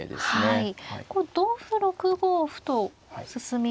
はい。